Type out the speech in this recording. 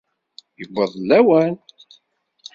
Iwweḍ-d lawan!